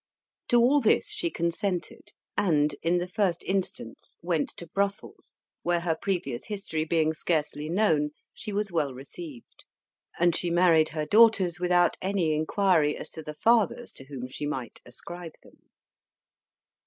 To all this she consented, and, in the first instance, went to Brussels, where her previous history being scarcely known, she was well received; and she married her daughters without any inquiry as to the fathers to whom she might ascribe them.